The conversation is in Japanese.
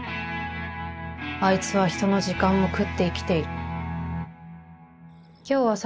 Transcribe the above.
あいつはひとの時間も食って生きている」。